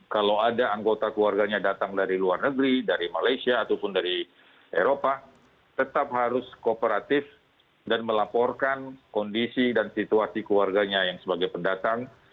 kalau ada anggota keluarganya datang dari luar negeri dari malaysia ataupun dari eropa tetap harus kooperatif dan melaporkan kondisi dan situasi keluarganya yang sebagai pendatang